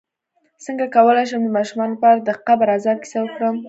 څنګه کولی شم د ماشومانو لپاره د قبر عذاب کیسه وکړم